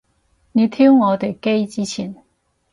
你挑我哋機之前